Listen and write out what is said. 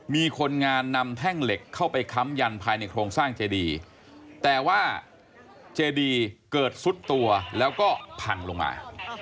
มีคนงานนำแท่งเหล็กเข้าไปค้ำยันภายในโครงสร้างเจดีแต่ว่าเจดีเกิดซุดตัวแล้วก็พังลงมา